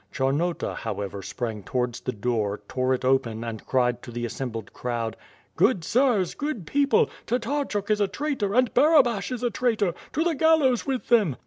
Chamota, however, sprang towards the door, tore it open, and cried to the assembled crowd: "Good sirs, good people, Tatarchuk is a traitor, and Bara bash is a traitor! To the gallows with them!"